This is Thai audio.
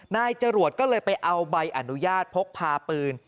นายจรวดก็เลยไปเอาใบอนุญาตพกพาปืน